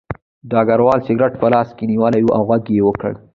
ډګروال سګرټ په لاس کې نیولی و او غږ یې وکړ